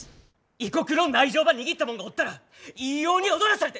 異国の内情ば握ったもんがおったらいいように踊らされて。